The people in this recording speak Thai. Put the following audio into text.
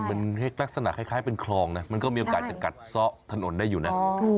มันลักษณะคล้ายเป็นคลองนะมันก็มีโอกาสจะกัดซ่อถนนได้อยู่นะ